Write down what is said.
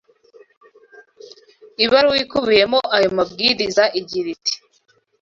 Ibaruwa ikubiyemo ayo mabwiriza igira ati “